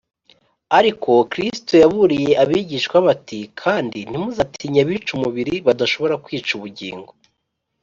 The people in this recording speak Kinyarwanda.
ariko kristo yaburiye abigishwa be ati, “kandi ntimuzatinye abica umubiri badashobora kwica ubugingo